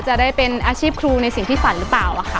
จะได้เป็นอาชีพครูในสิ่งที่ฝันหรือเปล่าค่ะ